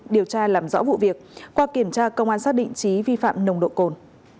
điều tra làm rõ vụ việc qua kiểm tra công an xác định trí vi phạm nồng độ cồn